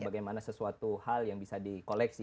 bagaimana sesuatu hal yang bisa di koleksi